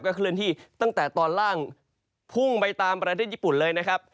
เคลื่อนที่ตั้งแต่ตอนล่างพุ่งไปตามประเทศญี่ปุ่นเลยนะครับ